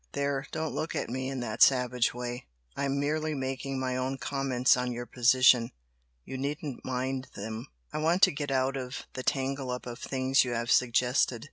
There, don't look at me in that savage way! I'm merely making my own comments on your position, you needn't mind them. I want to get out of the tangle up of things you have suggested.